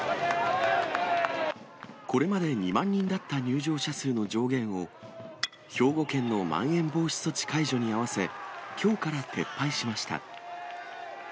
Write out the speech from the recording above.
これまで２万人だった入場者数の上限を、兵庫県のまん延防止措置解除に合わせ、きょうから撤廃しました。